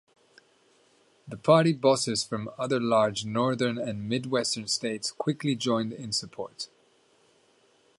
The party bosses from other large Northern and Midwestern states quickly joined in support.